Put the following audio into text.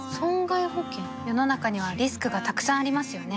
世の中にはリスクがたくさんありますよね